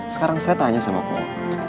sekarang saya tanya sama pol